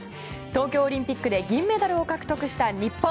東京オリンピックで銀メダルを獲得した日本。